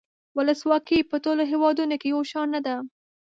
ولسواکي په ټولو هیوادونو کې یو شان نده.